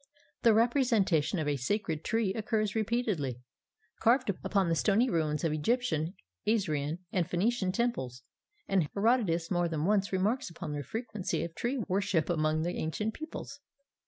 The representation of a sacred tree occurs repeatedly, carved upon the stony ruins of Egyptian, Assyrian, and Phoenician temples, and Herodotus more than once remarks upon the frequency of tree worship among the ancient peoples.